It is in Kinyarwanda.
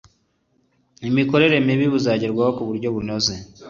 imikorere mibi bizagerwaho ku buryo bunoze